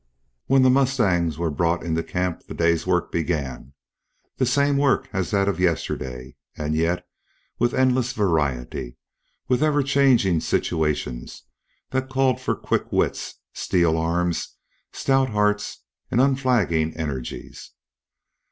When the mustangs were brought into camp the day's work began, the same work as that of yesterday, and yet with endless variety, with ever changing situations that called for quick wits, steel arms, stout hearts, and unflagging energies.